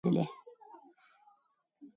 فریدګل هغه وخت د جنګ میدان نه و لیدلی